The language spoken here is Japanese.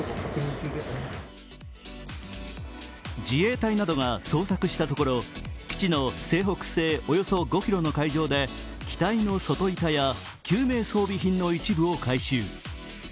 自衛隊などが捜索したところ基地の西北西およそ５ｋｍの海上で機体の外板や救命装備品の一部を回収。